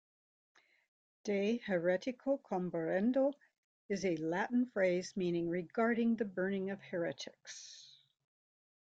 "De heretico comburendo" is a Latin phrase meaning "Regarding the burning of heretics".